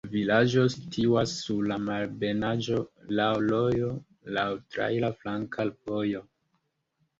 La vilaĝo situas sur malebenaĵo, laŭ rojo, laŭ traira flanka vojo.